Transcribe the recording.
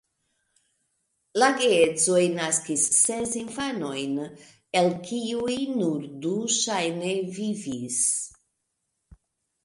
La geedzoj naskis ses infanojn, el kiuj nur du ŝajne vivis.